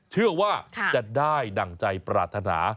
เชื่อว่าจะได้ดั่งใจปรารถนา